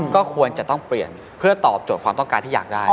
ก็ควรจะต้องเปลี่ยนเพื่อตอบโจทย์ความต้องการที่อยากได้